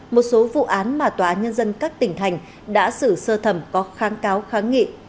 một số vụ án mà tòa án nhân dân các tỉnh thành đã xử sơ thẩm có kháng cáo kháng nghị